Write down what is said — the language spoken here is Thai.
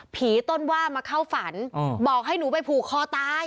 ต้นว่ามาเข้าฝันบอกให้หนูไปผูกคอตาย